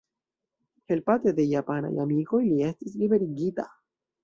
Helpate de japanaj amikoj, li estis liberigita.